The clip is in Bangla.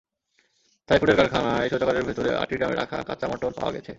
থাই ফুডের কারখানায় শৌচাগারের ভেতরে আটটি ড্রামে রাখা কাঁচা মটর পাওয়া গেছে।